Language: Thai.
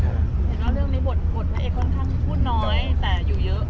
แล้วเรื่องในบทชันในตัวเอกค่อนข้างน้อยแต่อยู่เยอะ